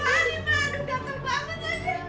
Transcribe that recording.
aduh gampang banget aja